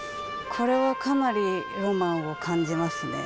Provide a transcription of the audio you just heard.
これはかなりロマンを感じますね。